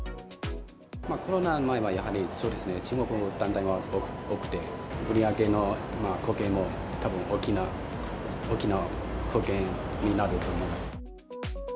コロナの前は、やはりそうですね、中国の団体が多くて、売り上げの貢献もたぶん、大きな貢献になると思います。